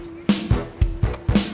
ya ini lagi serius